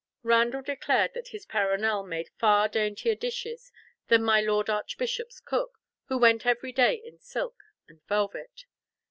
Randall declared that his Perronel made far daintier dishes than my Lord Archbishop's cook, who went every day in silk and velvet.